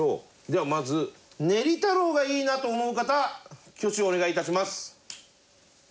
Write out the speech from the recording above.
ではまず「ねりたろう」がいいなと思う方挙手をお願いいたします。